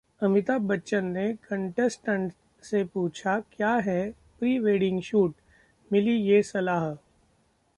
अमिताभ बच्चन ने कंटेस्टेंट से पूछा क्या है प्री वेडिंग शूट, मिली ये सलाह